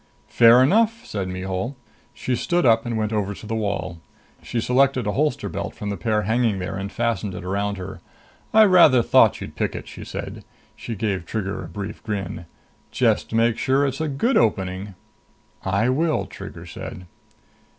"Fair enough," said Mihul. She stood up and went over to the wall. She selected a holster belt from the pair hanging there and fastened it around her. "I rather thought you'd pick it," she said. She gave Trigger a brief grin. "Just make sure it's a good opening!" "I will," Trigger said.